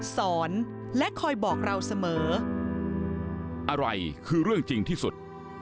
สอนและคอยบอกเราเสมออะไรคือเรื่องจริงที่สุด